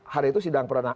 hari itu sidang perdana